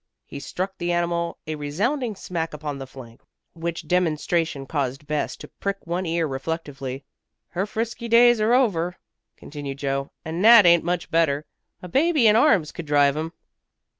He struck the animal a resounding smack upon the flank which demonstration caused Bess to prick one ear reflectively. "Her frisky days are over," continued Joe, "and Nat ain't much better. A baby in arms could drive 'em."